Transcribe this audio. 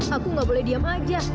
aku nggak boleh diam aja